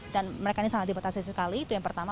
dan mereka ini sangat dibatasi sekali itu yang pertama